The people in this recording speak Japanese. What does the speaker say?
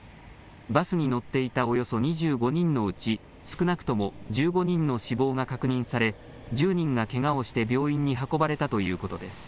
バスに乗っていたおよそ２５人のうち少なくとも１５人の死亡が確認され、１０人がけがをして病院に運ばれたということです。